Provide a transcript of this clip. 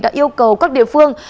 đã yêu cầu các địa phương